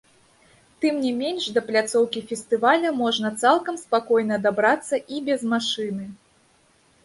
Тым не менш, да пляцоўкі фестываля можна цалкам спакойна дабрацца і без машыны.